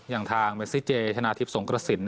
อย่างทางเมซิเจชนะทิพย์สงกระสิน